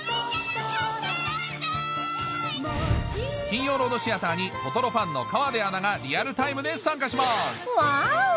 金曜ロードシアターにトトロファンの河出アナがリアルタイムで参加しますワオ！